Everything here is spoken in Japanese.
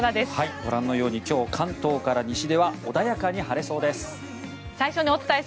ご覧のように今日は関東から西では穏やかに晴れそうです。